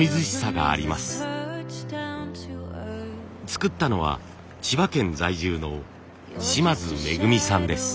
作ったのは千葉県在住の島津恵さんです。